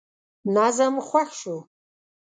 نظم خوښ شو.